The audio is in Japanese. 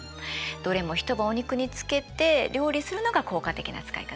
どれも一晩お肉に漬けて料理するのが効果的な使い方ね。